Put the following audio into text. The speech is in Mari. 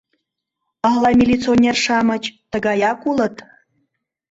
Ала милиционер-шамыч тыгаяк улыт?